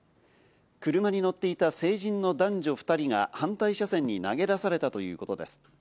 車に乗っていた成人の男女２人が反対車線に投げ出されたということです。